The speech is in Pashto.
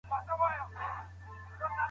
په هندوستان کې د نسخو پېژندنه کیږي.